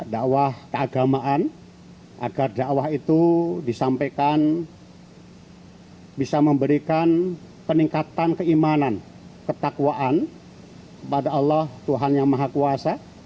dakwah keagamaan agar dakwah itu disampaikan bisa memberikan peningkatan keimanan ketakwaan kepada allah tuhan yang maha kuasa